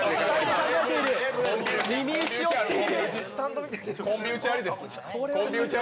耳打ちをしている。